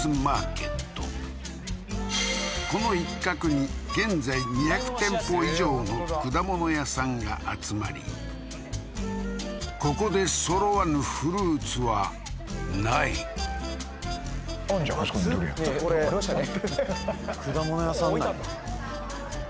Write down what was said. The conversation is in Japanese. この一角に現在２００店舗以上の果物屋さんが集まりここでそろわぬフルーツはないあんじゃんあそこにドリアンありましたね